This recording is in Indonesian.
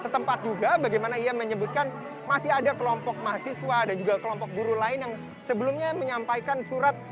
setempat juga bagaimana ia menyebutkan masih ada kelompok mahasiswa dan juga kelompok guru lain yang sebelumnya menyampaikan surat